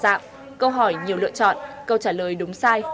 câu hỏi nhiều lựa chọn câu trả lời đúng sai